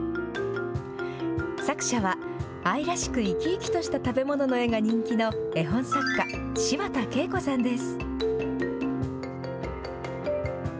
作者は、愛らしく生き生きとした食べ物の絵が人気の絵本作家、柴田ケイコさんです。